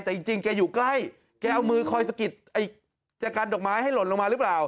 แต่จริงแกอยู่ใกล้แกเอามือคอยสะกิดจะกันดอกไม้ให้หล่นลงมาหรือเปล่า